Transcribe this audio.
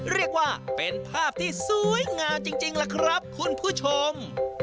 เรียกว่าเป็นภาพที่สวยงามจริงล่ะครับคุณผู้ชม